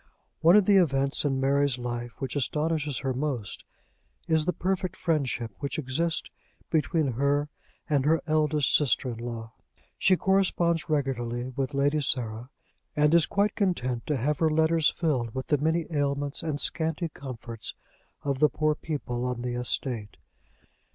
One of the events in Mary's life which astonishes her most is the perfect friendship which exists between her and her eldest sister in law. She corresponds regularly with Lady Sarah, and is quite content to have her letters filled with the many ailments and scanty comforts of the poor people on the estate.